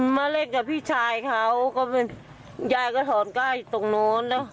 มาเล่นกับพี่ชายเขาย่าก็ถอนก้าอยู่ตรงนู้น